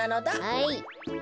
はい。